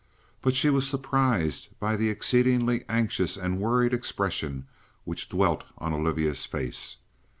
But she was surprised by the exceedingly anxious and worried expression which dwelt on Olivia's face.